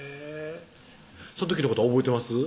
その時のことは覚えてます？